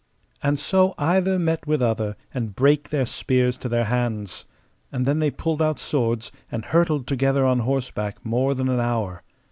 And so either met with other, and brake their spears to their hands; and then they pulled out swords, and hurtled together on horseback more than an hour.